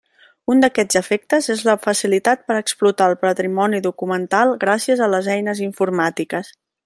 Un d'aquests efectes és la facilitat per explotar el patrimoni documental gràcies a les eines informàtiques.